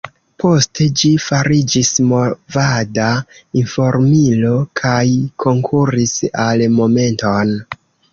Poste ĝi fariĝis movada informilo kaj konkuris al Momenton.